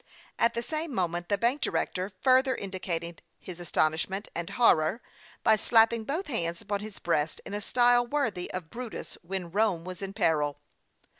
At the same moment the bank director further indicated his astonishment and horror by slapping 16 HASTE AND WASTE, OR both hands upon his breast in a style worthy of Brutus when Rome was in peril.